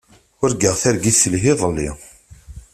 Urgaɣ targit telha iḍelli.